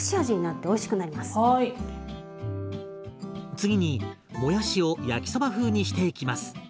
次にもやしをやきそば風にしていきます。